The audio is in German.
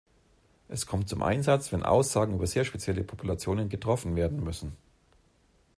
Es kommt zum Einsatz, wenn Aussagen über sehr spezielle Populationen getroffen werden müssen.